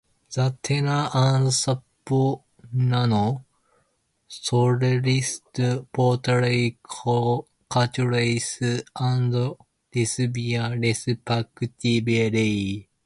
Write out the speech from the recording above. The tenor and soprano soloists portray Catullus and Lesbia respectively.